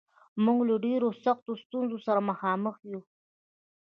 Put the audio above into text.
موږ له ډېرو سختو ستونزو سره مخامخ یو